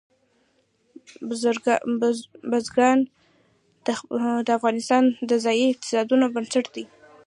بزګان د افغانستان د ځایي اقتصادونو بنسټ دی.